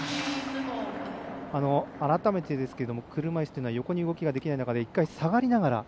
改めてですが車いすというのは横に動きができない中で１回下がりながら。